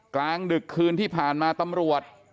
กลางดึกคืนที่ผ่านมาตำรวจ